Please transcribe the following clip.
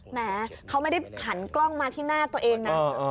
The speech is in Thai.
แม้เขาไม่ได้หันกล้องมาที่หน้าตัวเองนะ